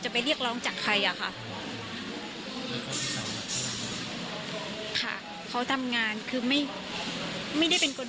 ปล่อยออกมาเพ่น